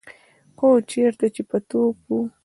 خو چېرته چې به توپ و.